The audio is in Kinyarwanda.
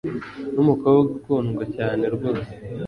Numukobwa ukundwa cyane rwose.